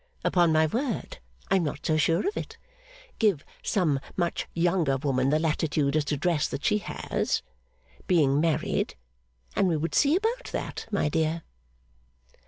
Upon my word, I am not so sure of it. Give some much younger woman the latitude as to dress that she has, being married; and we would see about that, my dear!